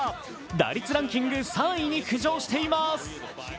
打率ランキング３位に浮上しています。